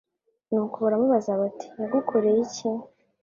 Nuko baramubaza bati yagukoreye iki